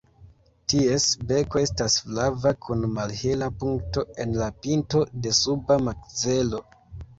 Ties beko estas flava kun malhela punkto en la pinto de suba makzelo.